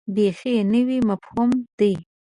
بیخي نوی مفهوم دی.